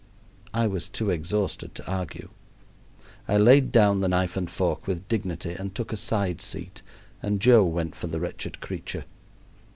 I was too exhausted to argue. I laid down the knife and fork with dignity and took a side seat and Joe went for the wretched creature.